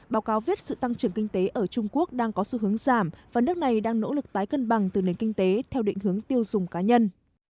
báo cáo viết sự tăng trưởng kinh tế ở trung quốc đang có xu hướng giảm và nước này đang nỗ lực tái cân bằng từ nền kinh tế theo định hướng tiêu dùng cá nhân